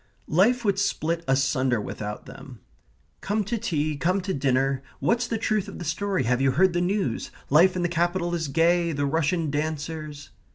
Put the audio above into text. Life would split asunder without them. "Come to tea, come to dinner, what's the truth of the story? have you heard the news? life in the capital is gay; the Russian dancers...."